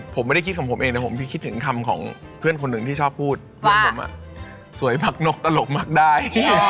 ผมไม่ได้คิดของผมเองนะผมคิดถึงคำของเพื่อนคนหนึ่งที่ชอบพูดเพื่อนผมสวยผักนกตลกมากได้